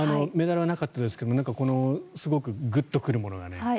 メダルはなかったですけどすごくグッと来るものがね。